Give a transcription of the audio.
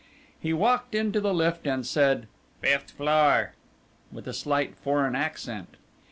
He walked into the lift and said, "Fifth floor," with a slight foreign accent.